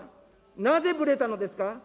なぜぶれたのですか。